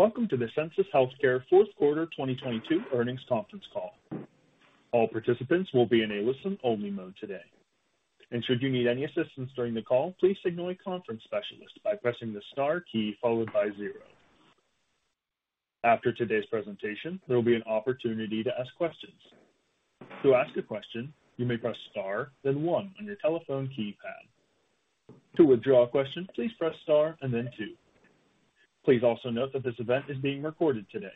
Welcome to the Sensus Healthcare fourth quarter 2022 earnings conference Call. All participants will be in a listen-only mode today. Should you need any assistance during the call, please signal a conference specialist by pressing the star key followed by zero. After today's presentation, there will be an opportunity to ask questions. To ask a question, you may press star, then one on your telephone keypad. To withdraw a question, please press star and then two. Please also note that this event is being recorded today.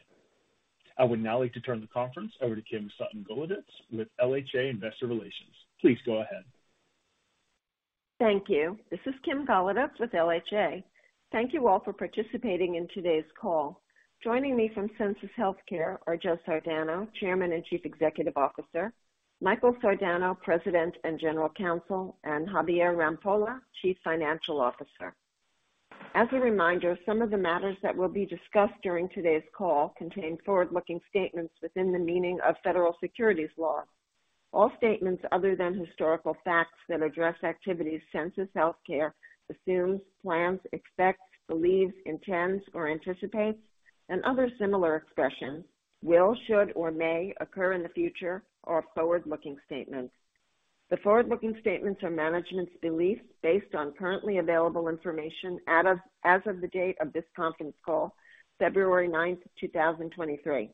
I would now like to turn the conference over to Kim Sutton Golodetz with LHA Investor Relations. Please go ahead. Thank you. This is Kim Golodetz with LHA. Thank you all for participating in today's call. Joining me from Sensus Healthcare are Joe Sardano, Chairman and Chief Executive Officer, Michael Sardano, President and General Counsel, and Javier Rampolla, Chief Financial Officer. As a reminder, some of the matters that will be discussed during today's call contain forward-looking statements within the meaning of federal securities law. All statements other than historical facts that address activities Sensus Healthcare assumes, plans, expects, believes, intends or anticipates and other similar expressions will, should or may occur in the future are forward-looking statements. The forward-looking statements are management's beliefs based on currently available information as of the date of this conference call, February 9th, 2023.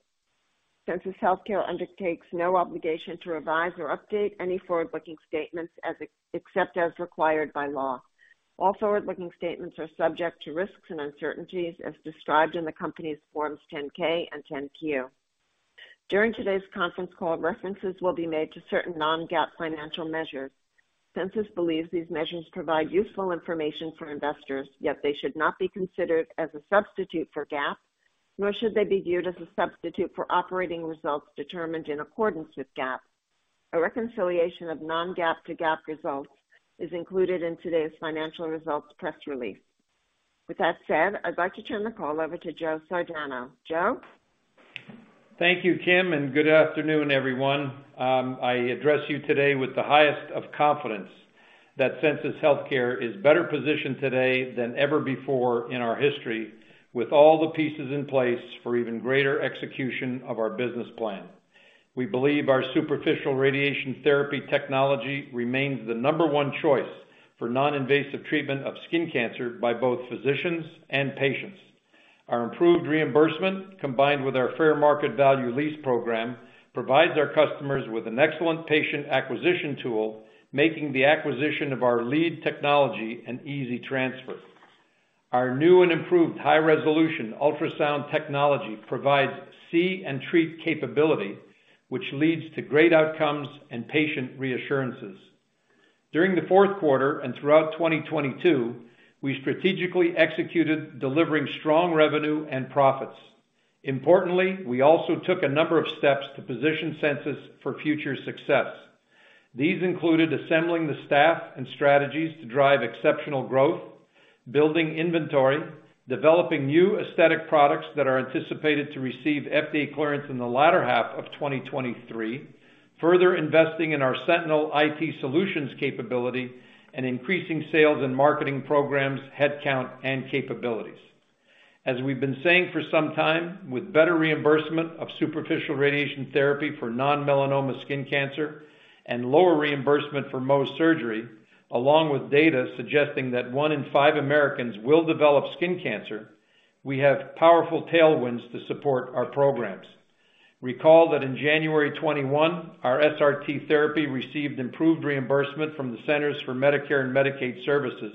Sensus Healthcare undertakes no obligation to revise or update any forward-looking statements except as required by law. All forward-looking statements are subject to risks and uncertainties as described in the company's Forms 10-K and 10-Q. During today's conference call, references will be made to certain non-GAAP financial measures. Sensus believes these measures provide useful information for investors, yet they should not be considered as a substitute for GAAP, nor should they be viewed as a substitute for operating results determined in accordance with GAAP. A reconciliation of non-GAAP to GAAP results is included in today's financial results press release. With that said, I'd like to turn the call over to Joe Sardano. Joe? Thank you, Kim. Good afternoon, everyone. I address you today with the highest of confidence that Sensus Healthcare is better positioned today than ever before in our history, with all the pieces in place for even greater execution of our business plan. We believe our superficial radiation therapy technology remains the number one choice for non-invasive treatment of skin cancer by both physicians and patients. Our improved reimbursement, combined with our fair market value lease program, provides our customers with an excellent patient acquisition tool, making the acquisition of our lead technology an easy transfer. Our new and improved high-resolution ultrasound technology provides see and treat capability, which leads to great outcomes and patient reassurances. During the fourth quarter and throughout 2022, we strategically executed delivering strong revenue and profits. Importantly, we also took a number of steps to position Sensus for future success. These included assembling the staff and strategies to drive exceptional growth, building inventory, developing new aesthetic products that are anticipated to receive FDA clearance in the latter half of 2023, further investing in our Sentinel IT Solutions capability and increasing sales and marketing programs, headcount and capabilities. We've been saying for some time, with better reimbursement of superficial radiation therapy for non-melanoma skin cancer and lower reimbursement for Mohs surgery, along with data suggesting that one in five Americans will develop skin cancer, we have powerful tailwinds to support our programs. Recall that in January of 2021, our SRT therapy received improved reimbursement from the Centers for Medicare and Medicaid Services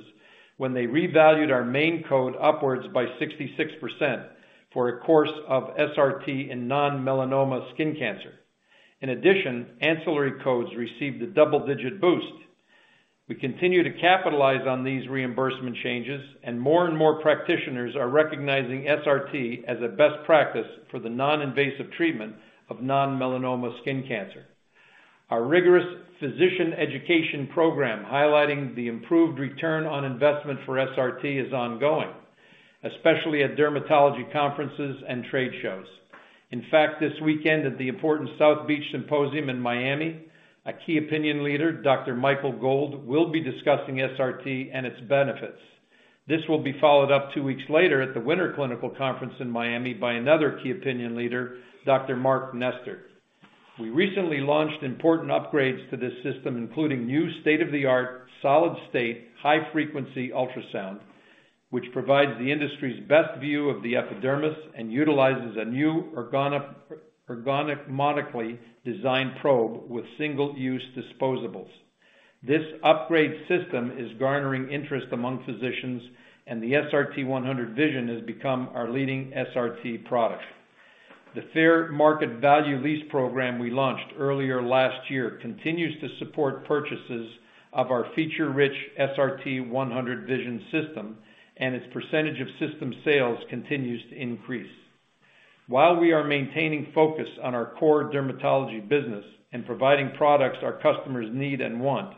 when they revalued our main code upwards by 66% for a course of SRT in non-melanoma skin cancer. Ancillary codes received a double-digit boost. We continue to capitalize on these reimbursement changes, and more and more practitioners are recognizing SRT as a best practice for the non-invasive treatment of non-melanoma skin cancer. Our rigorous physician education program, highlighting the improved return on investment for SRT, is ongoing, especially at dermatology conferences and trade shows. In fact, this weekend at the important South Beach Symposium in Miami, a key opinion leader, Dr. Michael Gold, will be discussing SRT and its benefits. This will be followed up two weeks later at the Winter Clinical Conference in Miami by another key opinion leader, Dr. Mark Nestor. We recently launched important upgrades to this system, including new state-of-the-art solid-state high-frequency ultrasound, which provides the industry's best view of the epidermis and utilizes a new ergonomically designed probe with single-use disposables. This upgrade system is garnering interest among physicians, and the SRT-100 Vision has become our leading SRT product. The fair market value lease program we launched earlier last year continues to support purchases of our feature-rich SRT-100 Vision system, and its percentage of system sales continues to increase. While we are maintaining focus on our core dermatology business and providing products our customers need and want,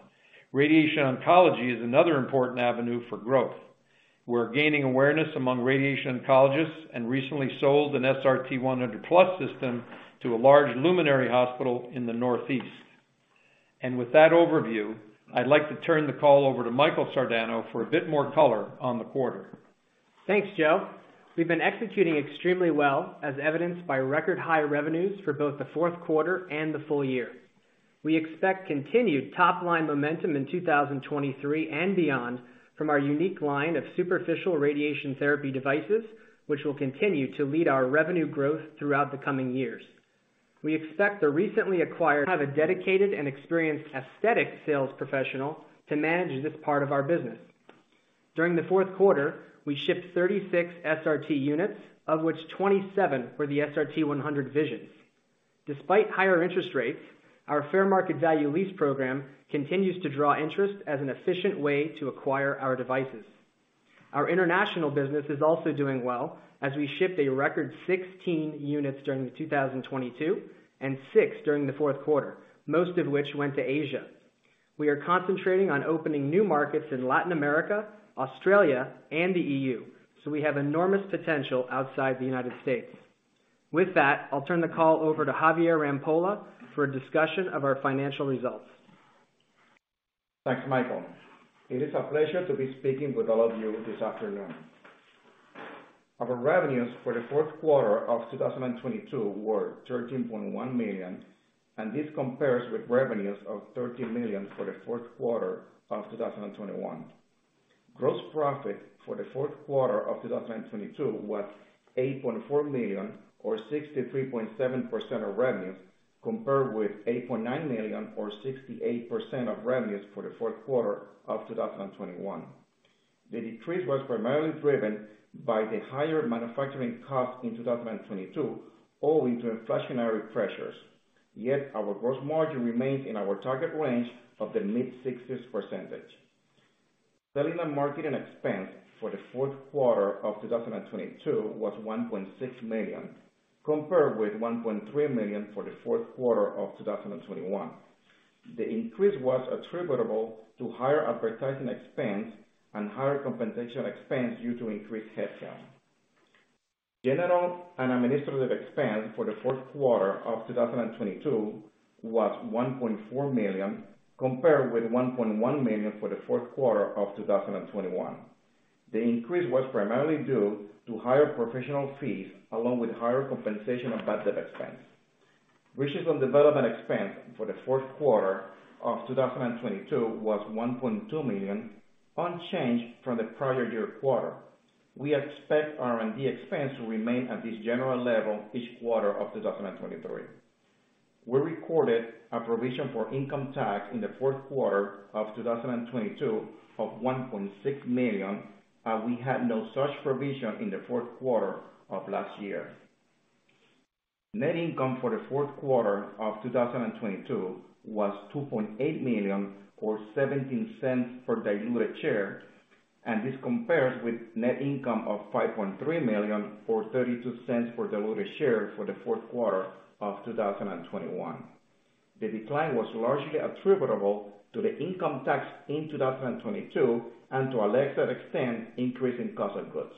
radiation oncology is another important avenue for growth. We're gaining awareness among radiation oncologists and recently sold an SRT-100+ system to a large luminary hospital in the Northeast. With that overview, I'd like to turn the call over to Michael Sardano for a bit more color on the quarter. Thanks, Joe. We've been executing extremely well, as evidenced by record-high revenues for both the fourth quarter and the full year. We expect continued top-line momentum in 2023 and beyond from our unique line of superficial radiation therapy devices, which will continue to lead our revenue growth throughout the coming years. We expect the recently acquired- have a dedicated and experienced aesthetic sales professional to manage this part of our business. During the fourth quarter, we shipped 36 SRT units, of which 27 were the SRT-100 Vision. Despite higher interest rates, our fair market value lease program continues to draw interest as an efficient way to acquire our devices. Our international business is also doing well as we shipped a record 16 units during 2022 and six units during the fourth quarter, most of which went to Asia. We are concentrating on opening new markets in Latin America, Australia, and the EU. We have enormous potential outside the United States. With that, I'll turn the call over to Javier Rampolla for a discussion of our financial results. Thanks, Michael. It is a pleasure to be speaking with all of you this afternoon. Our revenues for the fourth quarter of 2022 were $13.1 million. This compares with revenues of $13 million for the fourth quarter of 2021. Gross profit for the fourth quarter of 2022 was $8.4 million or 63.7% of revenues, compared with $8.9 million or 68% of revenues for the fourth quarter of 2021. The decrease was primarily driven by the higher manufacturing costs in 2022 owing to inflationary pressures. Our gross margin remains in our target range of the mid-60s percentage. Selling and marketing expense for the fourth quarter of 2022 was $1.6 million, compared with $1.3 million for the fourth quarter of 2021. The increase was attributable to higher advertising expense and higher compensation expense due to increased headcount. General and administrative expense for the fourth quarter of 2022 was $1.4 million, compared with $1.1 million for the fourth quarter of 2021. The increase was primarily due to higher professional fees along with higher compensation and bad debt expense. Research and development expense for the fourth quarter of 2022 was $1.2 million, unchanged from the prior year quarter. We expect R&D expense to remain at this general level each quarter of 2023. We recorded a provision for income tax in the fourth quarter of 2022 of $1.6 million. We had no such provision in the fourth quarter of last year. Net income for the fourth quarter of 2022 was $2.8 million or $0.17 per diluted share. This compares with net income of $5.3 million or $0.32 per diluted share for the fourth quarter of 2021. The decline was largely attributable to the income tax in 2022 and to a lesser extent, increase in cost of goods.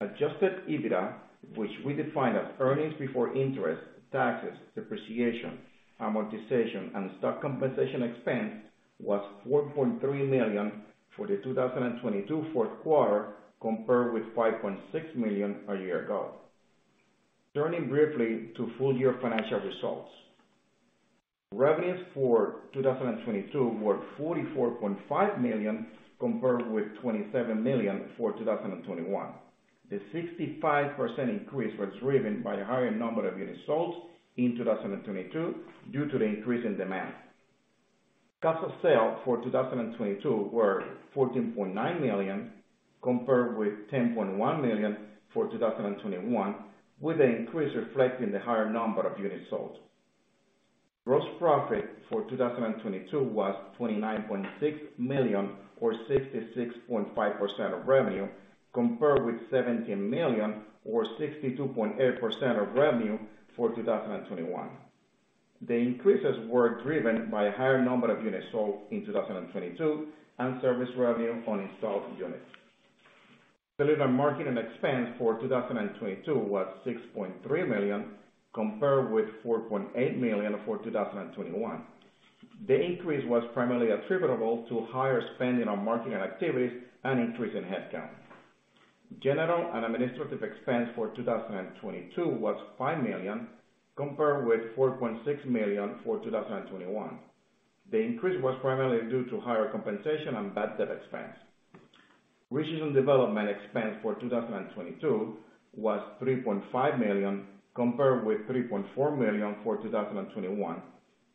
Adjusted EBITDA, which we define as earnings before interest, taxes, depreciation, amortization, and stock compensation expense, was $4.3 million for the 2022 fourth quarter, compared with $5.6 million a year ago. Turning briefly to full-year financial results. Revenues for 2022 were $44.5 million, compared with $27 million for 2021. The 65% increase was driven by the higher number of units sold in 2022 due to the increase in demand. Cost of sale for 2022 were $14.9 million, compared with $10.1 million for 2021, with the increase reflecting the higher number of units sold. Gross profit for 2022 was $29.6 million or 66.5% of revenue, compared with $17 million or 62.8% of revenue for 2021. The increases were driven by a higher number of units sold in 2022 and service revenue on installed units. Selling and marketing expense for 2022 was $6.3 million, compared with $4.8 million for 2021. The increase was primarily attributable to higher spending on marketing activities and increase in headcount. General and administrative expense for 2022 was $5 million, compared with $4.6 million for 2021. The increase was primarily due to higher compensation and bad debt expense. Research and development expense for 2022 was $3.5 million, compared with $3.4 million for 2021.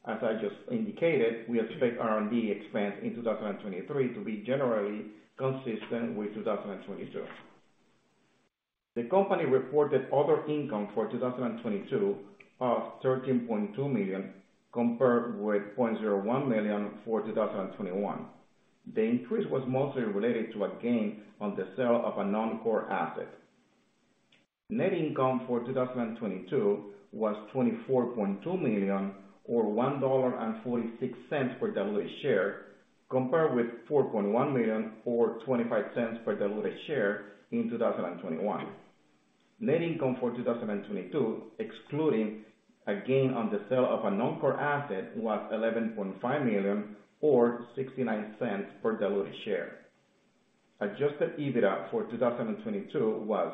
As I just indicated, we expect R&D expense in 2023 to be generally consistent with 2022. The company reported other income for 2022 of $13.2 million, compared with $0.01 million for 2021. The increase was mostly related to a gain on the sale of a non-core asset. Net income for 2022 was $24.2 million or $1.46 per diluted share, compared with $4.1 million or $0.25 per diluted share in 2021. Net income for 2022, excluding a gain on the sale of a non-core asset, was $11.5 million or $0.69 per diluted share. Adjusted EBITDA for 2022 was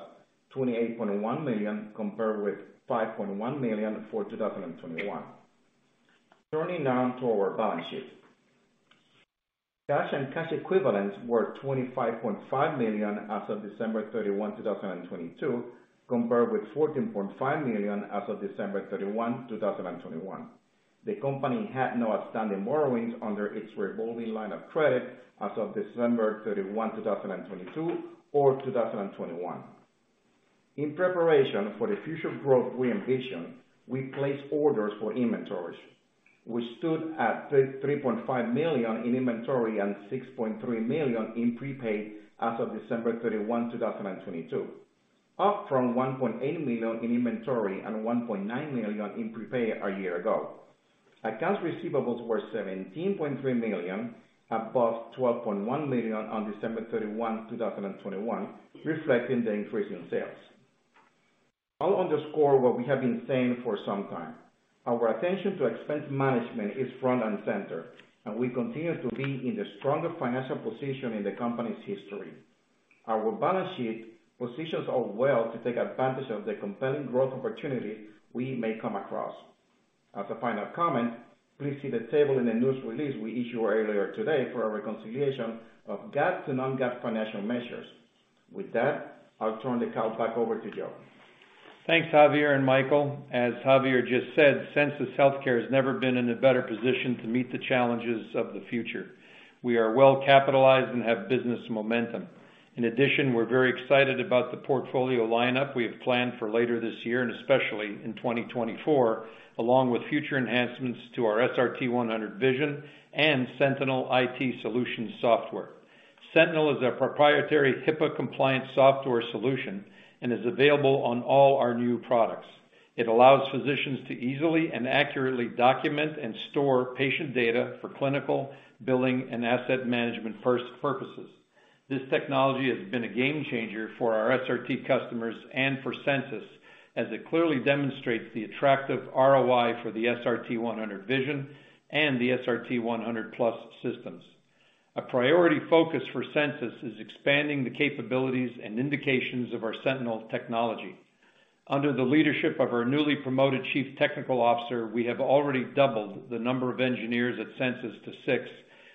$28.1 million, compared with $5.1 million for 2021. Turning now to our balance sheet. Cash and cash equivalents were $25.5 million as of December 31, 2022, compared with $14.5 million as of December 31, 2021. The company had no outstanding borrowings under its revolving line of credit as of December 31, 2022, or 2021. In preparation for the future growth we envision, we placed orders for inventories, which stood at $3.5 million in inventory and $6.3 million in prepaid as of December 31, 2022, up from $1.8 million in inventory and $1.9 million in prepaid a year ago. Accounts receivables were $17.3 million, above $12.1 million on December 31, 2021, reflecting the increase in sales. I'll underscore what we have been saying for some time. Our attention to expense management is front and center. We continue to be in the strongest financial position in the company's history. Our balance sheet positions us well to take advantage of the compelling growth opportunity we may come across. As a final comment, please see the table in the news release we issued earlier today for a reconciliation of GAAP to non-GAAP financial measures. With that, I'll turn the call back over to Joe. Thanks, Javier and Michael. As Javier just said, Sensus Healthcare has never been in a better position to meet the challenges of the future. We are well capitalized and have business momentum. In addition, we're very excited about the portfolio lineup we have planned for later this year and especially in 2024, along with future enhancements to our SRT-100 Vision and Sentinel IT Solutions software. Sentinel is a proprietary HIPAA-compliant software solution and is available on all our new products. It allows physicians to easily and accurately document and store patient data for clinical, billing, and asset management purposes. This technology has been a game-changer for our SRT customers and for Sensus, as it clearly demonstrates the attractive ROI for the SRT-100 Vision and the SRT-100+ systems. A priority focus for Sensus is expanding the capabilities and indications of our Sentinel technology. Under the leadership of our newly promoted Chief Technical Officer, we have already doubled the number of engineers at Sensus to six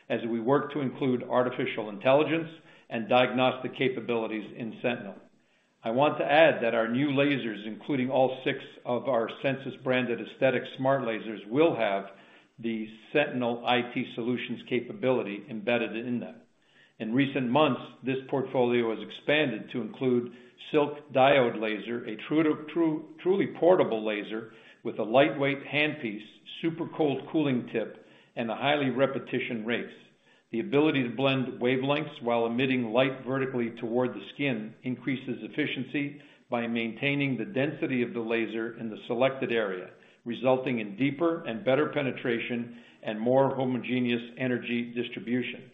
as we work to include artificial intelligence and diagnostic capabilities in Sentinel. I want to add that our new lasers, including all six of our Sensus-branded aesthetic smart lasers, will have the Sentinel IT Solutions capability embedded in them. In recent months, this portfolio has expanded to include Silk diode laser, a truly portable laser with a lightweight handpiece, super cold cooling tip, and a highly repetition rates. The ability to blend wavelengths while emitting light vertically toward the skin increases efficiency by maintaining the density of the laser in the selected area, resulting in deeper and better penetration and more homogeneous energy distribution.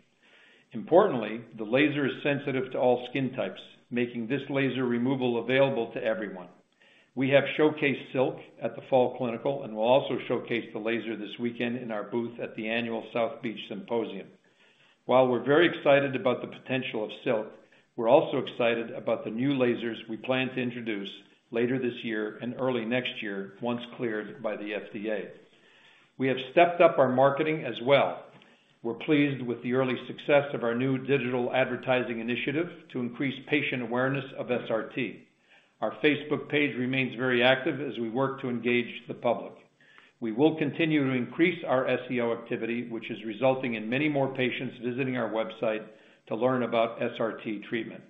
Importantly, the laser is sensitive to all skin types, making this laser removal available to everyone. We have showcased Silk at the Fall Clinical and will also showcase the laser this weekend in our booth at the annual South Beach Symposium. While we're very excited about the potential of Silk, we're also excited about the new lasers we plan to introduce later this year and early next year, once cleared by the FDA. We have stepped up our marketing as well. We're pleased with the early success of our new digital advertising initiative to increase patient awareness of SRT. Our Facebook page remains very active as we work to engage the public. We will continue to increase our SEO activity, which is resulting in many more patients visiting our website to learn about SRT treatment.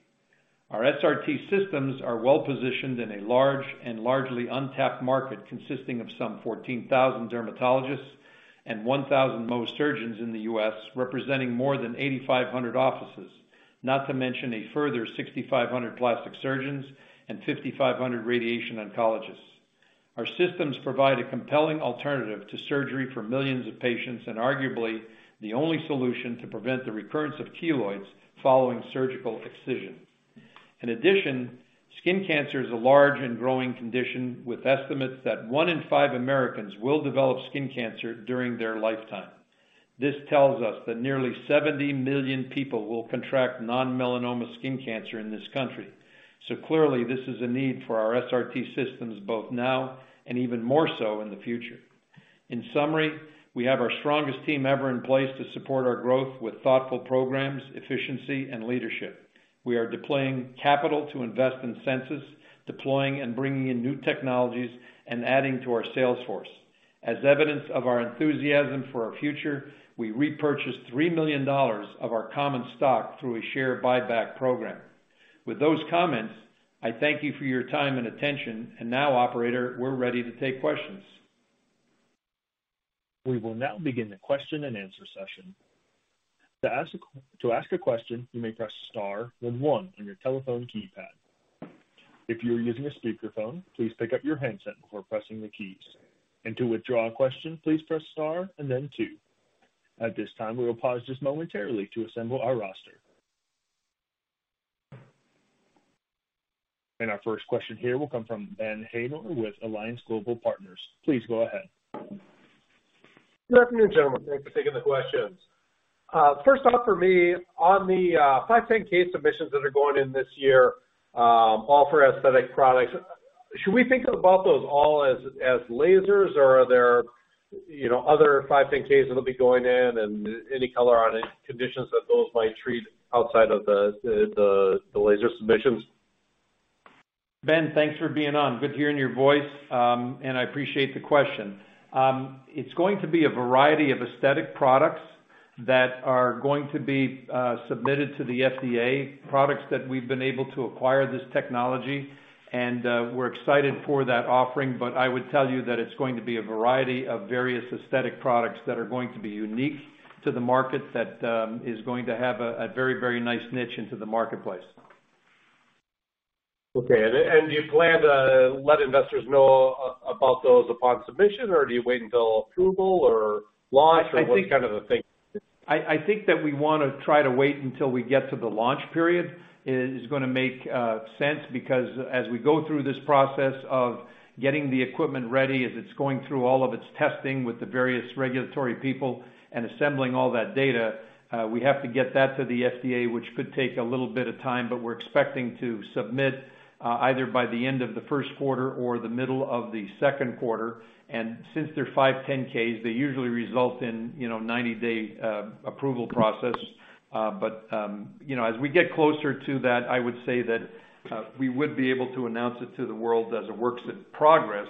Our SRT systems are well-positioned in a large and largely untapped market consisting of some 14,000 dermatologists and 1,000 Mohs surgeons in the U.S., representing more than 8,500 offices, not to mention a further 6,500 plastic surgeons and 5,500 radiation oncologists. Our systems provide a compelling alternative to surgery for millions of patients, and arguably the only solution to prevent the recurrence of keloids following surgical excision. In addition, skin cancer is a large and growing condition, with estimates that one in five Americans will develop skin cancer during their lifetime. This tells us that nearly 70 million people will contract non-melanoma skin cancer in this country. Clearly, this is a need for our SRT systems both now and even more so in the future. In summary, we have our strongest team ever in place to support our growth with thoughtful programs, efficiency, and leadership. We are deploying capital to invest in Sensus, deploying and bringing in new technologies, and adding to our sales force. As evidence of our enthusiasm for our future, we repurchased $3 million of our common stock through a share buyback program. With those comments, I thank you for your time and attention. Now, operator, we're ready to take questions. We will now begin the question-and-answer session. To ask a question, you may press star, then one on your telephone keypad. If you are using a speakerphone, please pick up your handset before pressing the keys. To withdraw a question, please press star and then two. At this time, we will pause just momentarily to assemble our roster. Our first question here will come from Ben Haynor with Alliance Global Partners. Please go ahead. Good afternoon, gentlemen. Thanks for taking the questions. First off for me, on the 510(k) submissions that are going in this year, all for aesthetic products, should we think about those all as lasers or are there, you know, other 510(k)s that'll be going in, and any color on conditions that those might treat outside of the laser submissions? Ben, thanks for being on. Good hearing your voice, and I appreciate the question. It's going to be a variety of aesthetic products that are going to be submitted to the FDA. Products that we've been able to acquire this technology, and we're excited for that offering. I would tell you that it's going to be a variety of various aesthetic products that are going to be unique to the market that is going to have a very, very nice niche into the marketplace. Okay. Do you plan to let investors know about those upon submission, or do you wait until approval or launch or what kind of a thing? I think that we wanna try to wait until we get to the launch period is gonna make sense because as we go through this process of getting the equipment ready, as it's going through all of its testing with the various regulatory people and assembling all that data, we have to get that to the FDA, which could take a little bit of time. We're expecting to submit either by the end of the first quarter or the middle of the second quarter. Since they're 510(k)s, they usually result in, you know, 90-day approval process. You know, as we get closer to that, I would say that we would be able to announce it to the world as it works in progress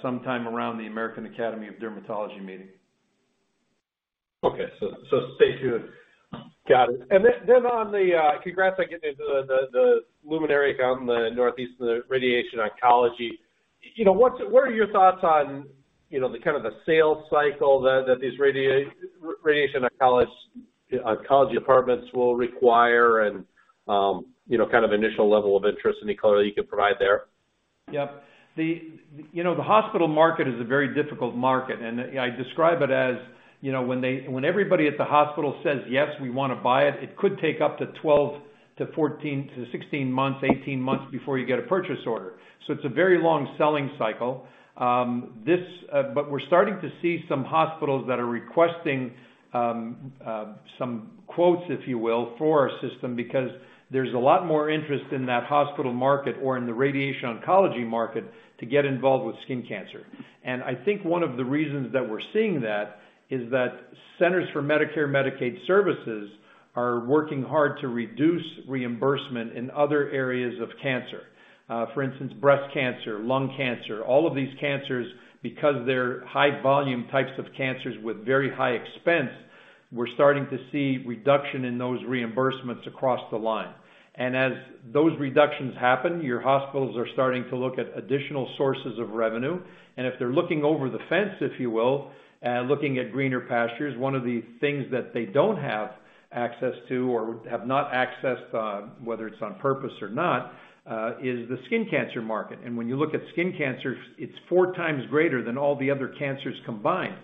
sometime around the American Academy of Dermatology meeting. Stay tuned. Got it. Congrats on getting into the Luminary account in the Northeast and the radiation oncology. You know, what are your thoughts on, you know, the kind of the sales cycle that these radiation oncology departments will require and, you know, kind of initial level of interest? Any color you can provide there? Yep. The, you know, the hospital market is a very difficult market. I describe it as, you know, when everybody at the hospital says, "Yes, we wanna buy it," it could take up to 12 to 14 to 16 months, 18 months before you get a purchase order. It's a very long selling cycle. We're starting to see some hospitals that are requesting some quotes, if you will, for our system, because there's a lot more interest in that hospital market or in the radiation oncology market to get involved with skin cancer. I think one of the reasons that we're seeing that is that Centers for Medicare/Medicaid Services are working hard to reduce reimbursement in other areas of cancer. For instance, breast cancer, lung cancer, all of these cancers, because they're high volume types of cancers with very high expense, we're starting to see reduction in those reimbursements across the line. As those reductions happen, your hospitals are starting to look at additional sources of revenue. If they're looking over the fence, if you will, looking at greener pastures, one of the things that they don't have access to or have not accessed, whether it's on purpose or not, is the skin cancer market. When you look at skin cancer, it's four times greater than all the other cancers combined.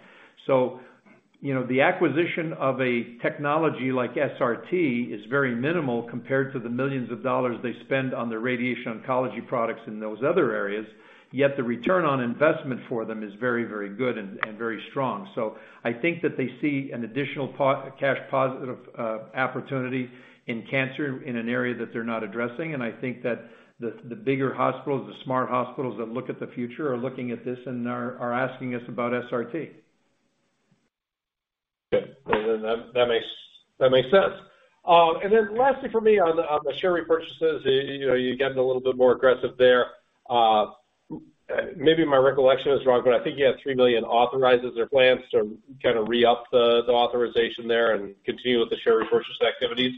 You know, the acquisition of a technology like SRT is very minimal compared to the millions of dollars they spend on their radiation oncology products in those other areas, yet the return on investment for them is very, very good and very strong. I think that they see an additional cash positive opportunity in cancer in an area that they're not addressing. I think that the bigger hospitals, the smart hospitals that look at the future are looking at this and are asking us about SRT. Okay. Well, then that makes sense. Lastly from me on the share repurchases, you know, you're getting a little bit more aggressive there. Maybe my recollection is wrong, but I think you had $3 million authorizes or plans to kinda re-up the authorization there and continue with the share repurchase activities.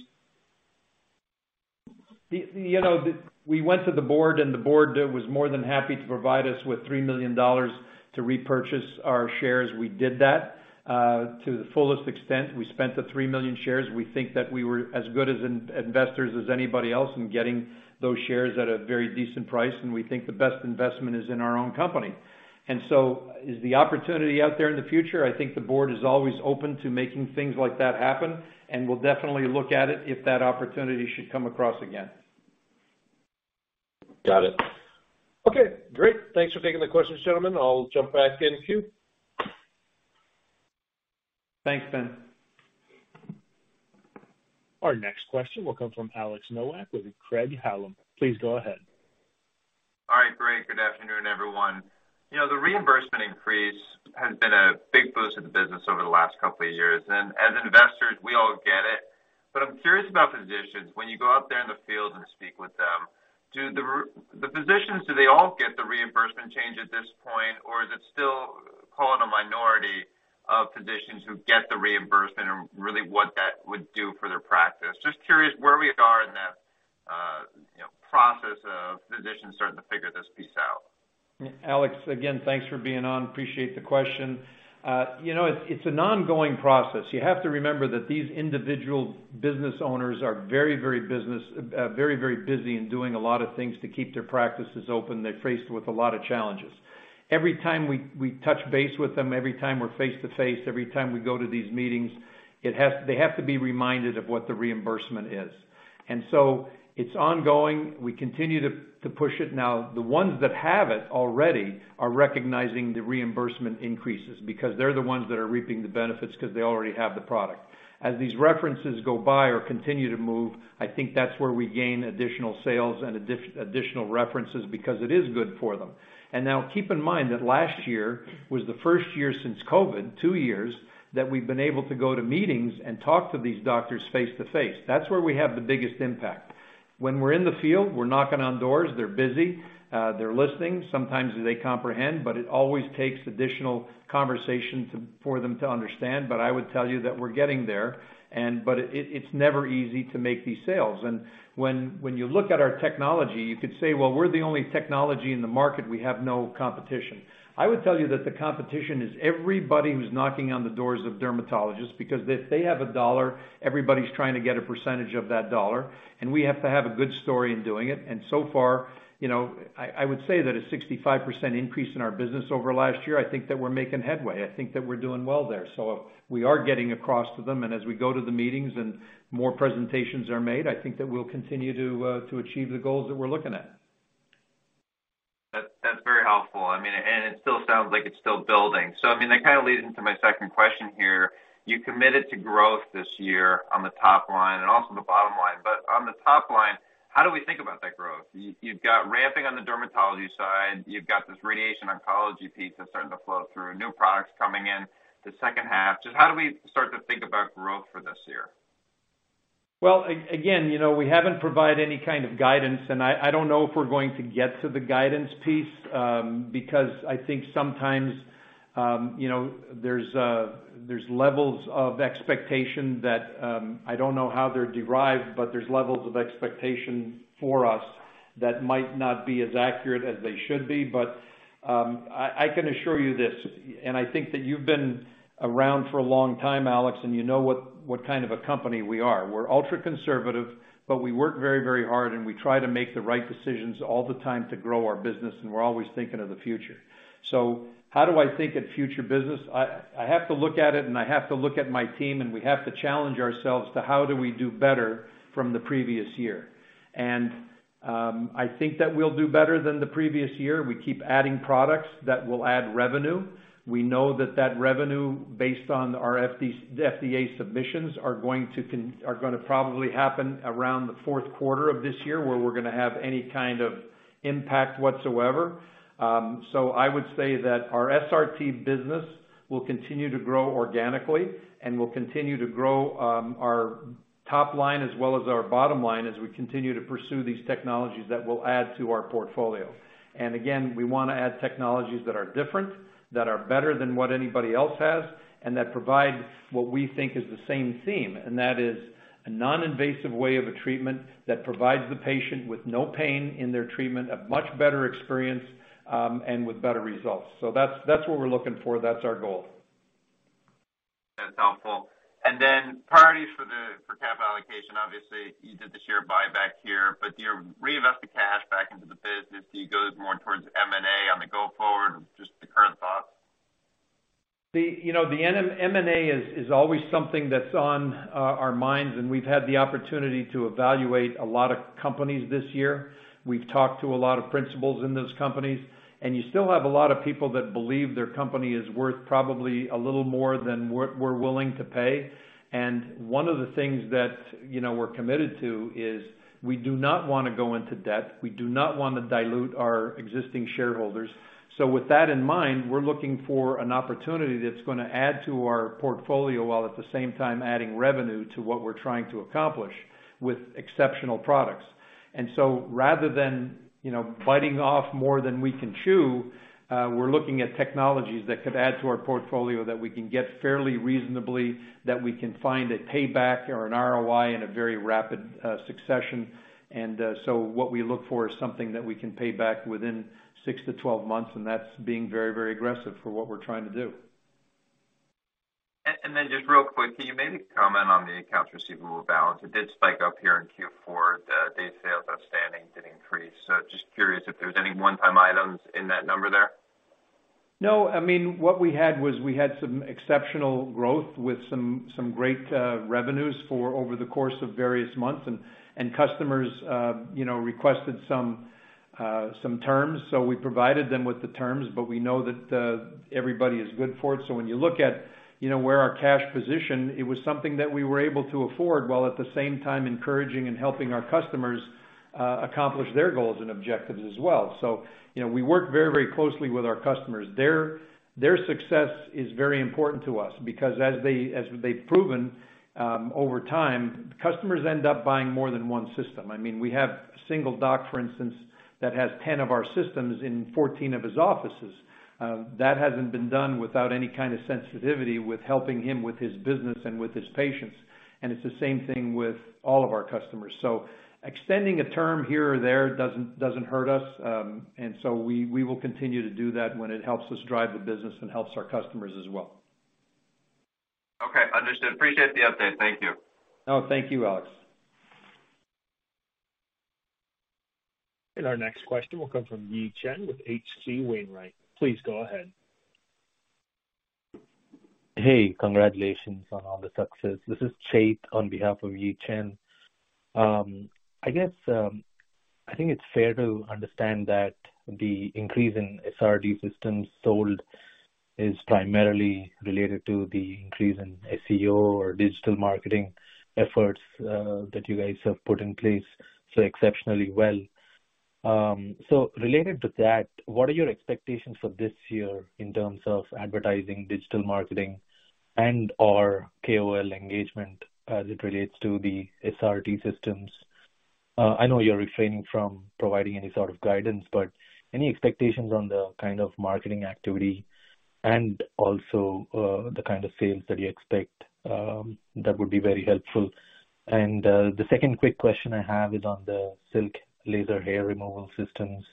You know, we went to the board. The board was more than happy to provide us with $3 million to repurchase our shares. We did that to the fullest extent. We spent the 3 million shares. We think that we were as good as investors as anybody else in getting those shares at a very decent price, and we think the best investment is in our own company. Is the opportunity out there in the future? I think the board is always open to making things like that happen, and we'll definitely look at it if that opportunity should come across again. Got it. Okay, great. Thanks for taking the questions, gentlemen. I'll jump back in queue. Thanks, Ben. Our next question will come from Alex Nowak with Craig-Hallum. Please go ahead. All right, great. Good afternoon, everyone. You know, the reimbursement increase has been a big boost to the business over the last couple of years. As investors, we all get it, but I'm curious about physicians. When you go out there in the field and speak with them, do the physicians, do they all get the reimbursement change at this point, or is it still calling a minority of physicians who get the reimbursement and really what that would do for their practice? Just curious where we are in the, you know, process of physicians starting to figure this out. Alex, again, thanks for being on. Appreciate the question. You know, it's an ongoing process. You have to remember that these individual business owners are very, very busy in doing a lot of things to keep their practices open. They're faced with a lot of challenges. Every time we touch base with them, every time we're face to face, every time we go to these meetings, they have to be reminded of what the reimbursement is. It's ongoing. We continue to push it. Now, the ones that have it already are recognizing the reimbursement increases because they're the ones that are reaping the benefits 'cause they already have the product. As these references go by or continue to move, I think that's where we gain additional sales and additional references because it is good for them. Now, keep in mind that last year was the first year since COVID, two years, that we've been able to go to meetings and talk to these doctors face to face. That's where we have the biggest impact. When we're in the field, we're knocking on doors, they're busy, they're listening. Sometimes they comprehend, but it always takes additional conversation for them to understand. I would tell you that we're getting there, and it's never easy to make these sales. When you look at our technology, you could say, "Well, we're the only technology in the market. We have no competition." I would tell you that the competition is everybody who's knocking on the doors of dermatologists because if they have a dollar, everybody's trying to get a percentage of that dollar, and we have to have a good story in doing it. So far, you know, I would say that a 65% increase in our business over last year, I think that we're making headway. I think that we're doing well there. We are getting across to them, and as we go to the meetings and more presentations are made, I think that we'll continue to achieve the goals that we're looking at. That's very helpful. I mean, it still sounds like it's still building. I mean, that kind of leads into my second question here. You committed to growth this year on the top line and also the bottom line. On the top line, how do we think about that growth? You've got ramping on the dermatology side. You've got this radiation oncology piece that's starting to flow through, new products coming in the second half. Just how do we start to think about growth for this year? Again, you know, we haven't provided any kind of guidance, and I don't know if we're going to get to the guidance piece, because I think sometimes, you know, there's levels of expectation that I don't know how they're derived, but there's levels of expectation for us that might not be as accurate as they should be. I can assure you this, and I think that you've been around for a long time, Alex, and you know what kind of a company we are. We're ultra-conservative, but we work very, very hard, and we try to make the right decisions all the time to grow our business, and we're always thinking of the future. How do I think at future business? I have to look at it, and I have to look at my team, and we have to challenge ourselves to how do we do better from the previous year. I think that we'll do better than the previous year. We keep adding products that will add revenue. We know that revenue, based on our FDA submissions, are gonna probably happen around the fourth quarter of this year, where we're gonna have any kind of impact whatsoever. I would say that our SRT business will continue to grow organically, and we'll continue to grow our top line as well as our bottom line as we continue to pursue these technologies that will add to our portfolio. We wanna add technologies that are different, that are better than what anybody else has, and that provide what we think is the same theme, and that is a non-invasive way of a treatment that provides the patient with no pain in their treatment, a much better experience, and with better results. That's what we're looking for. That's our goal. That's helpful. Priorities for capital allocation. Obviously, you did the share buyback here, do you reinvest the cash back into the business? Do you go more towards M&A on the go forward? Just the current thoughts. The, you know, the M&A is always something that's on our minds, and we've had the opportunity to evaluate a lot of companies this year. We've talked to a lot of principals in those companies. You still have a lot of people that believe their company is worth probably a little more than what we're willing to pay. One of the things that, you know, we're committed to is we do not wanna go into debt. We do not wanna dilute our existing shareholders. With that in mind, we're looking for an opportunity that's gonna add to our portfolio, while at the same time adding revenue to what we're trying to accomplish with exceptional products. Rather than, you know, biting off more than we can chew, we're looking at technologies that could add to our portfolio that we can get fairly reasonably, that we can find a payback or an ROI in a very rapid succession. What we look for is something that we can pay back within six to 12 months, and that's being very, very aggressive for what we're trying to do. Just real quick, can you maybe comment on the accounts receivable balance? It did spike up here in Q4. The day sales outstanding did increase. Just curious if there's any one-time items in that number there. No. I mean, what we had some exceptional growth with some great revenues for over the course of various months and customers, you know, requested some terms, so we provided them with the terms. We know that everybody is good for it. When you look at, you know, where our cash position, it was something that we were able to afford, while at the same time encouraging and helping our customers accomplish their goals and objectives as well. You know, we work very, very closely with our customers. Their success is very important to us because as they've proven over time, customers end up buying more than one system. I mean, we have a single doc, for instance, that has 10 of our systems in 14 of his offices. That hasn't been done without any kind of sensitivity with helping him with his business and with his patients, and it's the same thing with all of our customers. Extending a term here or there doesn't hurt us. We will continue to do that when it helps us drive the business and helps our customers as well. Okay. Understood. Appreciate the update. Thank you. No, thank you, Alex. Our next question will come from Yi Chen with H.C. Wainwright. Please go ahead. Hey, congratulations on all the success. This is Jake on behalf of Yi Chen. I guess, I think it's fair to understand that the increase in SRT systems sold is primarily related to the increase in SEO or digital marketing efforts that you guys have put in place so exceptionally well. Related to that, what are your expectations for this year in terms of advertising, digital marketing, and/or KOL engagement as it relates to the SRT systems? I know you're refraining from providing any sort of guidance, any expectations on the kind of marketing activity and also the kind of sales that you expect that would be very helpful. The second quick question I have is on the silk laser hair removal systems.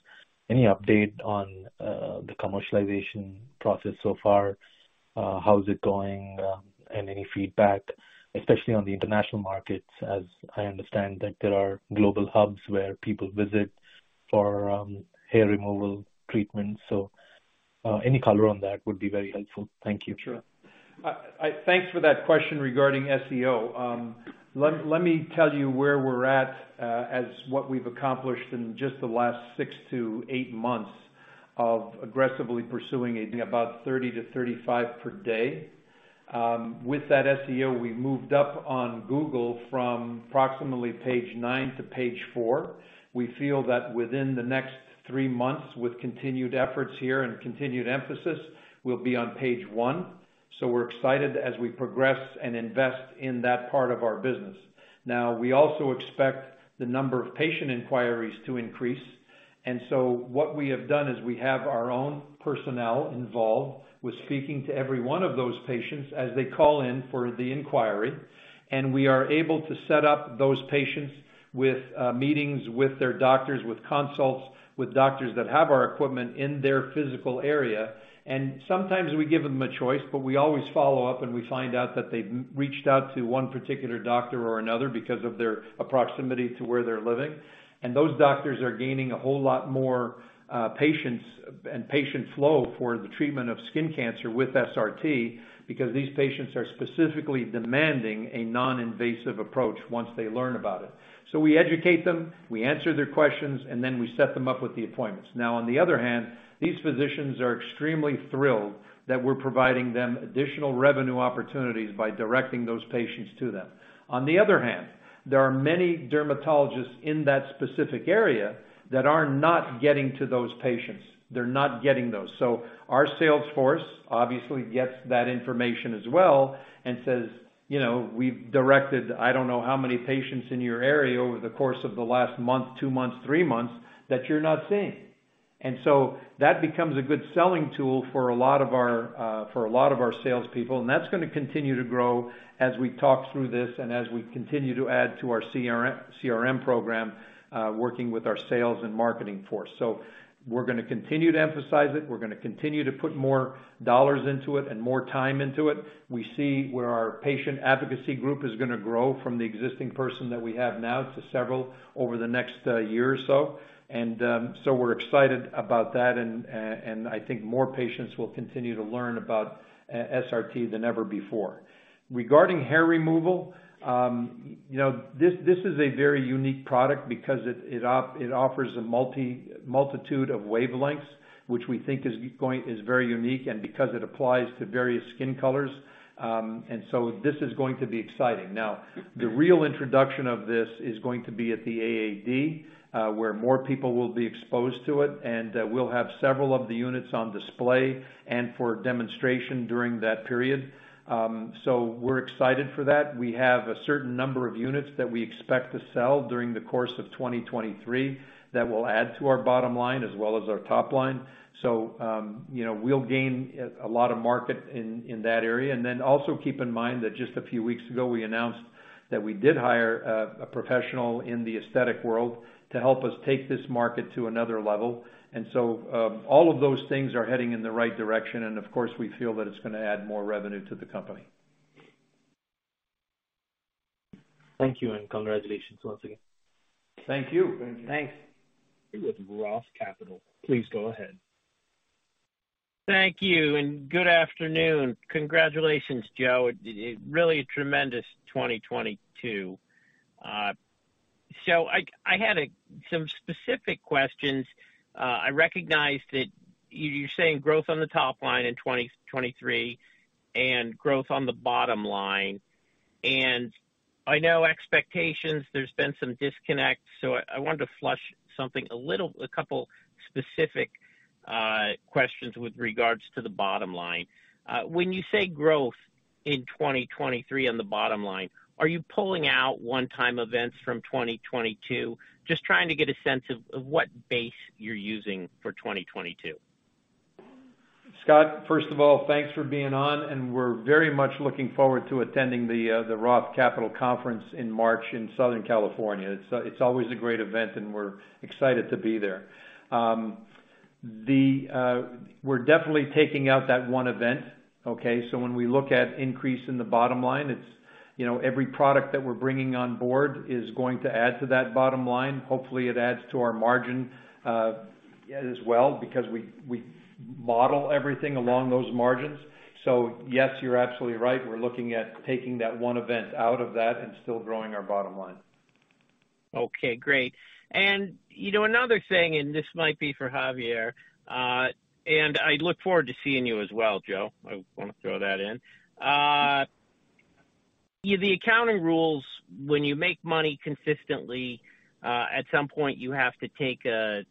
Any update on the commercialization process so far? How is it going? Any feedback, especially on the international markets, as I understand that there are global hubs where people visit for hair removal treatments. Any color on that would be very helpful. Thank you. Sure. Thanks for that question regarding SEO. Let me tell you where we're at, as what we've accomplished in just the last six to eight months of aggressively pursuing about 30-35 per day. With that SEO, we moved up on Google from approximately page nine to page four. We feel that within the next three months, with continued efforts here and continued emphasis, we'll be on page one. We're excited as we progress and invest in that part of our business. Now, we also expect the number of patient inquiries to increase. What we have done is we have our own personnel involved with speaking to every one of those patients as they call in for the inquiry. We are able to set up those patients with meetings with their doctors, with consults, with doctors that have our equipment in their physical area. Sometimes we give them a choice, but we always follow up, and we find out that they've reached out to one particular doctor or another because of their proximity to where they're living. Those doctors are gaining a whole lot more patients, and patient flow for the treatment of skin cancer with SRT, because these patients are specifically demanding a non-invasive approach once they learn about it. We educate them, we answer their questions, and then we set them up with the appointments. On the other hand, these physicians are extremely thrilled that we're providing them additional revenue opportunities by directing those patients to them. On the other hand, there are many dermatologists in that specific area that are not getting to those patients. They're not getting those. Our sales force obviously gets that information as well and says, "You know, we've directed I don't know how many patients in your area over the course of the last month, two months, three months that you're not seeing." That becomes a good selling tool for a lot of our salespeople. That's gonna continue to grow as we talk through this and as we continue to add to our CRM program, working with our sales and marketing force. We're gonna continue to emphasize it. We're gonna continue to put more dollars into it and more time into it. We see where our patient advocacy group is gonna grow from the existing person that we have now to several over the next year or so. We're excited about that. I think more patients will continue to learn about SRT than ever before. Regarding hair removal, you know, this is a very unique product because it offers a multitude of wavelengths, which we think is very unique and because it applies to various skin colors. This is going to be exciting. The real introduction of this is going to be at the AAD, where more people will be exposed to it, we'll have several of the units on display and for demonstration during that period. We're excited for that. We have a certain number of units that we expect to sell during the course of 2023 that will add to our bottom line as well as our top line. You know, we'll gain a lot of market in that area. Also keep in mind that just a few weeks ago, we announced that we did hire a professional in the aesthetic world to help us take this market to another level. All of those things are heading in the right direction. Of course, we feel that it's gonna add more revenue to the company. Thank you, and congratulations once again. Thank you. Thank you. Thanks. With Roth Capital. Please go ahead. Thank you. Good afternoon. Congratulations, Joe. It really a tremendous 2022. I had some specific questions. I recognize that you're saying growth on the top line in 2023 and growth on the bottom line. I know expectations, there's been some disconnect. I wanted to flush something a couple of specific questions with regards to the bottom line. When you say growth in 2023 on the bottom line, are you pulling out one-time events from 2022? Just trying to get a sense of what base you're using for 2022. Scott, first of all, thanks for being on, and we're very much looking forward to attending the Roth Capital Conference in March in Southern California. It's always a great event, and we're excited to be there. We're definitely taking out that one event, okay? When we look at increase in the bottom line, it's, you know, every product that we're bringing on board is going to add to that bottom line. Hopefully, it adds to our margin as well, because we model everything along those margins. Yes, you're absolutely right. We're looking at taking that one event out of that and still growing our bottom line. Okay, great. You know, another thing, and this might be for Javier. I look forward to seeing you as well, Joe. I wanna throw that in. The accounting rules, when you make money consistently, at some point, you have to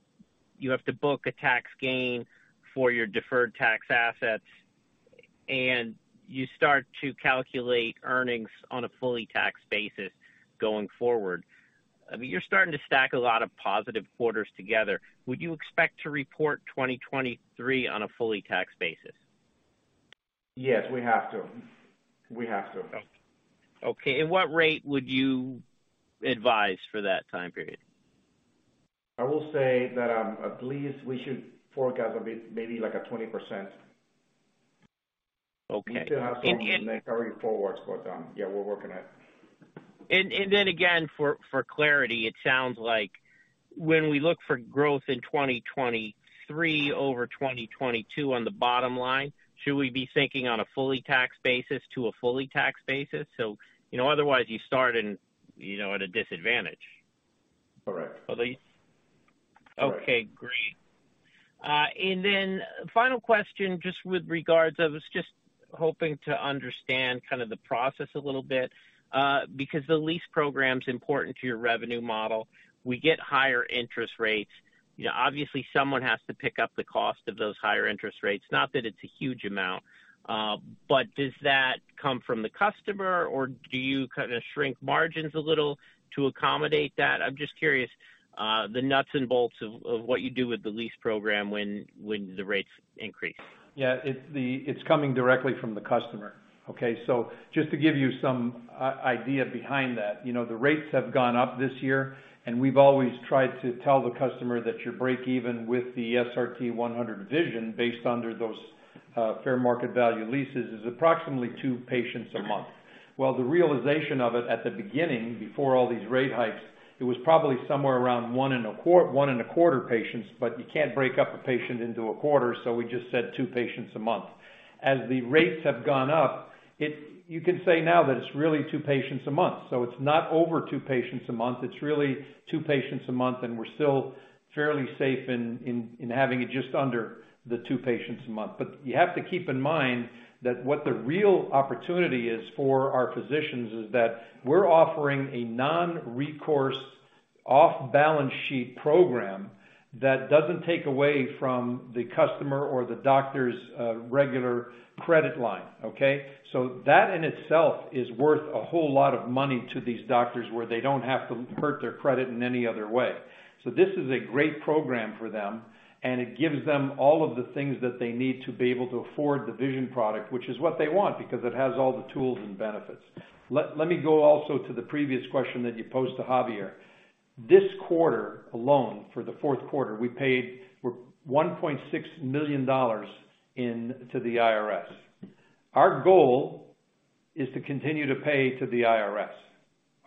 book a tax gain for your deferred tax assets, and you start to calculate earnings on a fully taxed basis going forward. I mean, you're starting to stack a lot of positive quarters together. Would you expect to report 2023 on a fully taxed basis? Yes, we have to. Okay. What rate would you advise for that time period? I will say that, at least we should forecast a bit, maybe like a 20%. Okay. We still have some carry forwards, but, yeah, we're working it. Then again for clarity, it sounds like when we look for growth in 2023 over 2022 on the bottom line, should we be thinking on a fully taxed basis to a fully taxed basis? You know, otherwise you start in, you know, at a disadvantage. Correct. At least. Correct. Okay, great. Final question, just with regards, I was just hoping to understand kind of the process a little bit, because the lease program's important to your revenue model. We get higher interest rates. You know, obviously, someone has to pick up the cost of those higher interest rates. Not that it's a huge amount, but does that come from the customer, or do you kinda shrink margins a little to accommodate that? I'm just curious, the nuts and bolts of what you do with the lease program when the rates increase? Yeah. It's coming directly from the customer. Okay. Just to give you some idea behind that, you know, the rates have gone up this year. We've always tried to tell the customer that your break even with the SRT-100 Vision based under those fair market value leases, is approximately two patients a month. The realization of it at the beginning, before all these rate hikes, it was probably somewhere around one and a quarter patients. You can't break up a patient into a quarter. We just said two patients a month. As the rates have gone up, you can say now that it's really two patients a month. It's not over two patients a month. It's really two patients a month. We're still fairly safe in having it just under the two patients a month. You have to keep in mind that what the real opportunity is for our physicians is that we're offering a non-recourse, off-balance sheet program that doesn't take away from the customer or the doctor's regular credit line, okay? That in itself is worth a whole lot of money to these doctors, where they don't have to hurt their credit in any other way. This is a great program for them, and it gives them all of the things that they need to be able to afford the Vision product, which is what they want because it has all the tools and benefits. Let me go also to the previous question that you posed to Javier. This quarter alone, for the fourth quarter, we paid $1.6 million to the IRS. Our goal is to continue to pay to the IRS.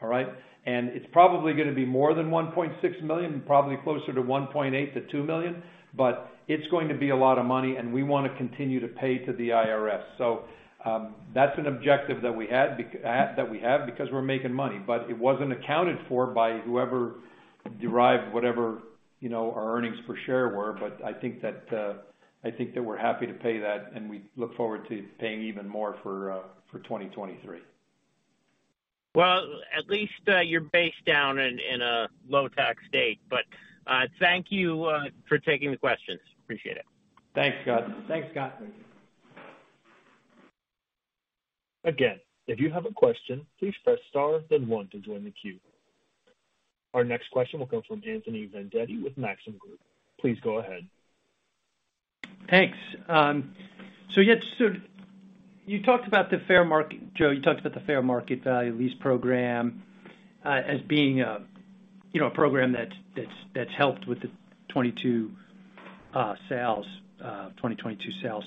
All right? It's probably gonna be more than $1.6 million, probably closer to $1.8 million-$2 million, but it's going to be a lot of money, and we wanna continue to pay to the IRS. That's an objective that we have because we're making money. It wasn't accounted for by whoever derived whatever, you know, our earnings per share were. I think that we're happy to pay that, and we look forward to paying even more for 2023. Well, at least, you're based down in a low-tax state. Thank you for taking the questions. Appreciate it. Thanks, Scott. Thanks, Scott. Again, if you have a question, please press star then one to join the queue. Our next question will come from Anthony Vendetti with Maxim Group. Please go ahead. Thanks. Yeah, so you talked about the fair market value lease program, as being, you know, a program that's helped with the 2022 sales, 2022 sales.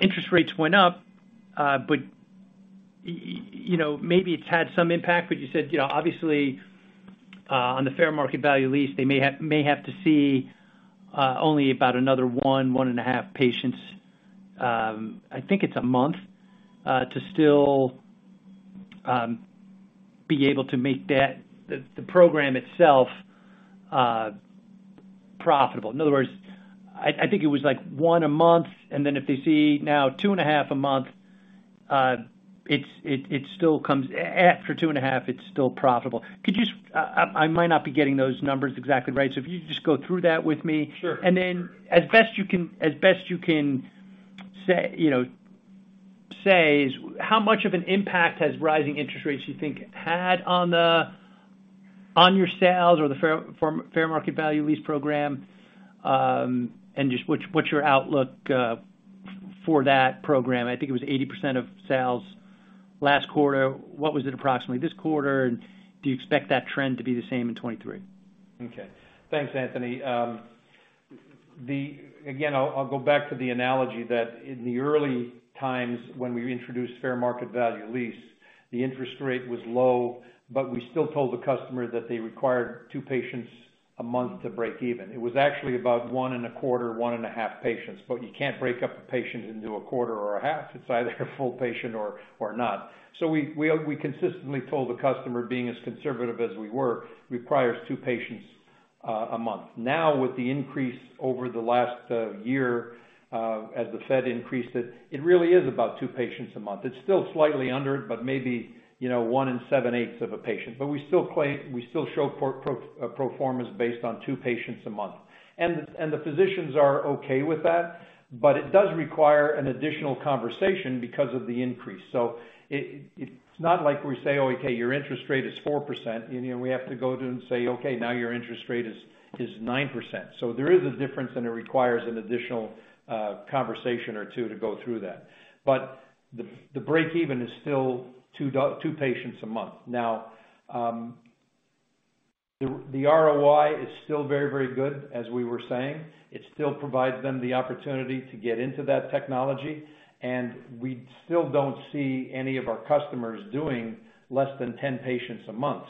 Interest rates went up, but you know, maybe it's had some impact, but you said, you know, obviously, on the fair market value lease, they may have to see only about another one, 1.5 patients, I think it's a month, to still be able to make that the program itself profitable. In other words, I think it was like one a month, and then if they see now 2.5 a month, after 2.5, it's still profitable. I might not be getting those numbers exactly right. If you just go through that with me. Sure. As best you can say, you know, say is how much of an impact has rising interest rates you think had on your sales or the fair market value lease program? Just what's your outlook for that program? I think it was 80% of sales last quarter. What was it approximately this quarter, and do you expect that trend to be the same in 2023? Okay. Thanks, Anthony. Again, I'll go back to the analogy that in the early times when we introduced fair market value lease, the interest rate was low, but we still told the customer that they required two patients a month to break even. It was actually about one and a quarter, 1.5 patients, but you can't break up a patient into a quarter or a half. It's either a full patient or not. We consistently told the customer, being as conservative as we were, requires two patients a month. Now, with the increase over the last year, as the Fed increased it really is about two patients a month. It's still slightly under it, but maybe, you know, one in 7/8 of a patient We still show pro formas based on two patients a month. The physicians are okay with that, but it does require an additional conversation because of the increase. It's not like we say, "Oh, okay, your interest rate is 4%." You know, we have to go to and say, "Okay, now your interest rate is 9%." There is a difference, and it requires an additional conversation or two to go through that. The break even is still two patients a month. The ROI is still very, very good, as we were saying. It still provides them the opportunity to get into that technology, and we still don't see any of our customers doing less than 10 patients a month.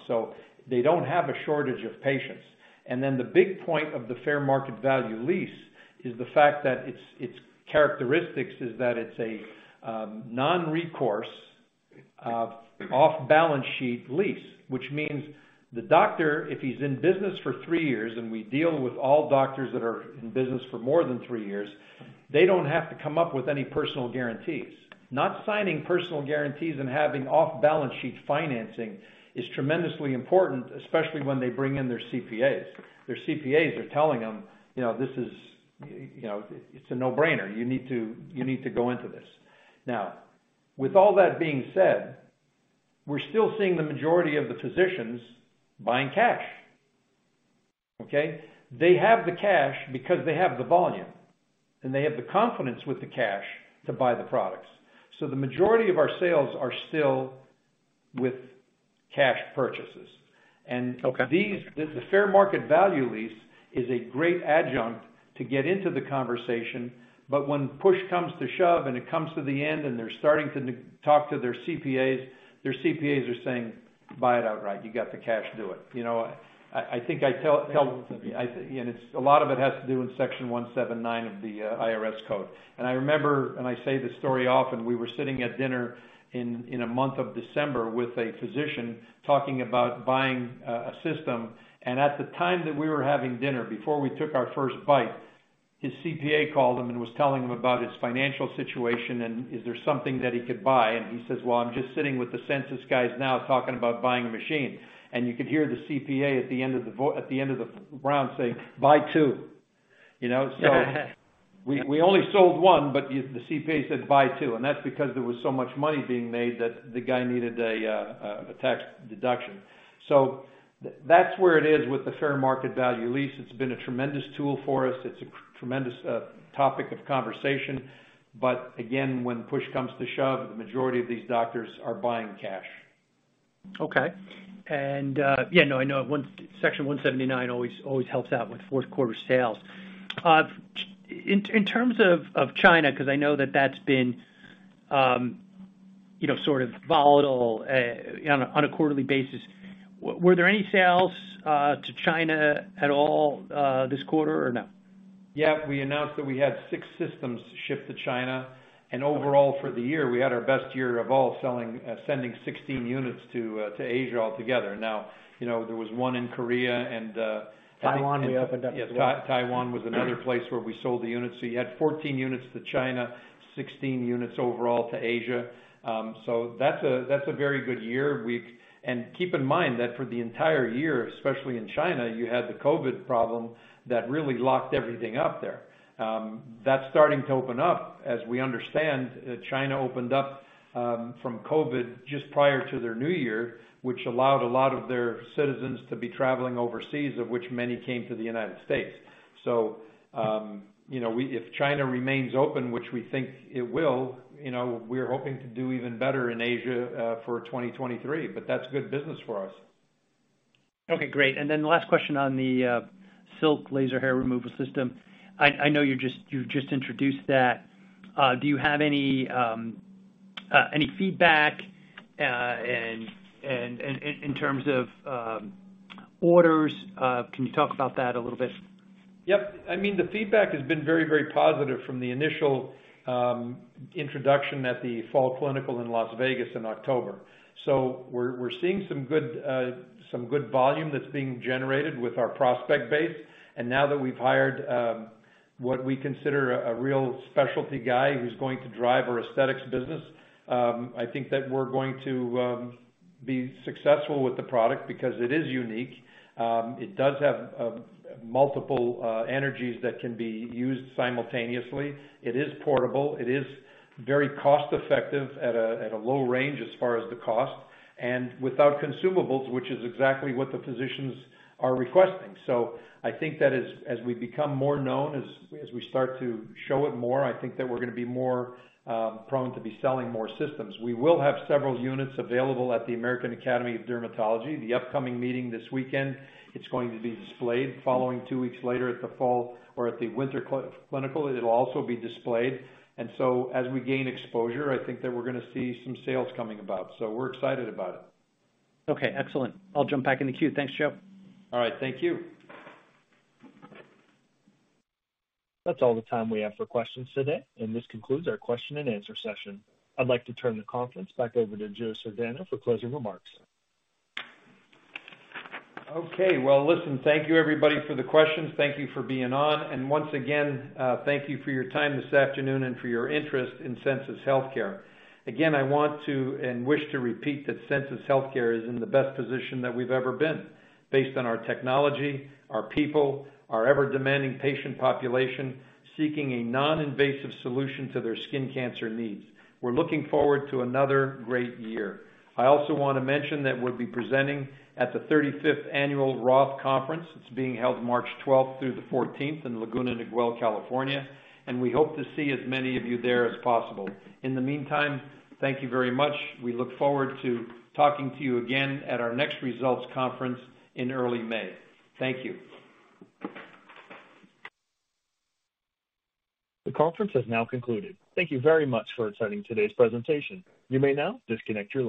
They don't have a shortage of patients. Then the big point of the fair market value lease is the fact that its characteristics is that it's a non-recourse off balance sheet lease. Which means the doctor, if he's in business for three years, and we deal with all doctors that are in business for more than three years, they don't have to come up with any personal guarantees. Not signing personal guarantees and having off balance sheet financing is tremendously important, especially when they bring in their CPAs. Their CPAs are telling them, you know, this is, you know, it's a no-brainer. You need to, you need to go into this. Now, with all that being said, we're still seeing the majority of the physicians buying cash. Okay. They have the cash because they have the volume, and they have the confidence with the cash to buy the products. The majority of our sales are still with cash purchases. Okay. The fair market value lease is a great adjunct to get into the conversation, but when push comes to shove, and it comes to the end, and they're starting to talk to their CPAs, their CPAs are saying, "Buy it outright. You got the cash, do it." You know, I think I tell. It's a lot of it has to do with Section 179 of the IRS code. I remember, and I say this story often, we were sitting at dinner in the month of December with a physician talking about buying a system. At the time that we were having dinner, before we took our first bite, his CPA called him and was telling him about his financial situation and is there something that he could buy. He says, "Well, I'm just sitting with the Sensus now talking about buying a machine." You could hear the CPA at the end of the round saying, "Buy two." You know? We only sold one, but the CPA said, "Buy two." That's because there was so much money being made that the guy needed a tax deduction. That's where it is with the fair market value lease. It's been a tremendous tool for us. It's a tremendous topic of conversation. Again, when push comes to shove, the majority of these doctors are buying cash. Okay. Yeah, no, I know. Section 179 always helps out with fourth quarter sales. In terms of China, 'cause I know that that's been, you know, sort of volatile on a quarterly basis, were there any sales to China at all this quarter or no? Yeah. We announced that we had six systems shipped to China. Overall, for the year, we had our best year of all selling, sending 16 units to Asia altogether. Now, you know, there was one in Korea. Taiwan. Yeah. Taiwan was another place where we sold the units. You had 14 units to China, 16 units overall to Asia. That's a very good year. Keep in mind that for the entire year, especially in China, you had the COVID problem that really locked everything up there. That's starting to open up. As we understand, China opened up from COVID just prior to their New Year, which allowed a lot of their citizens to be traveling overseas, of which many came to the United States. You know, if China remains open, which we think it will, you know, we're hoping to do even better in Asia for 2023, but that's good business for us. Okay, great. Last question on the Silk laser hair removal system? I know you just introduced that. Do you have any feedback, and in terms of orders? Can you talk about that a little bit? Yep. I mean, the feedback has been very, very positive from the initial introduction at the Fall Clinical in Las Vegas in October. We're seeing some good, some good volume that's being generated with our prospect base. Now that we've hired what we consider a real specialty guy who's going to drive our aesthetics business, I think that we're going to be successful with the product because it is unique. It does have multiple energies that can be used simultaneously. It is portable. It is very cost effective at a, at a low range as far as the cost and without consumables, which is exactly what the physicians are requesting. I think that as we become more known, as we start to show it more, I think that we're gonna be more prone to be selling more systems. We will have several units available at the American Academy of Dermatology, the upcoming meeting this weekend. It's going to be displayed, following two weeks later at the Fall Clinical or at the Winter Clinical. It'll also be displayed. As we gain exposure, I think that we're gonna see some sales coming about. We're excited about it. Okay, excellent. I'll jump back in the queue. Thanks, Joe. All right. Thank you. That's all the time we have for questions today, and this concludes our question and-answer session. I'd like to turn the conference back over to Joe Sardano for closing remarks. Okay. Well, listen, thank you everybody for the questions. Thank you for being on. Once again, thank you for your time this afternoon and for your interest in Sensus Healthcare. Again, I want to and wish to repeat that Sensus Healthcare is in the best position that we've ever been based on our technology, our people, our ever demanding patient population seeking a non-invasive solution to their skin cancer needs. We're looking forward to another great year. I also want to mention that we'll be presenting at the 35th Annual Roth Conference. It's being held March 12th through the 14th in Laguna Niguel, California, and we hope to see as many of you there as possible. In the meantime, thank you very much. We look forward to talking to you again at our next results conference in early May. Thank you. The conference has now concluded. Thank you very much for attending today's presentation. You may now disconnect your line.